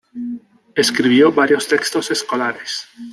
Escribió varios textos escolares.